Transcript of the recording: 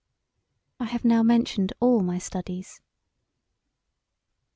I have now mentioned all my studies.